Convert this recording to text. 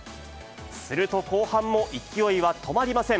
すると後半も勢いは止まりません。